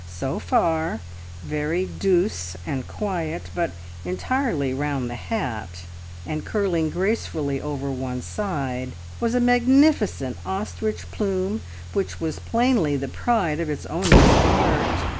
So far, very douce and quiet; but entirely round the hat, and curling gracefully over one side, was a magnificent ostrich plume, which was plainly the pride of its owner's heart.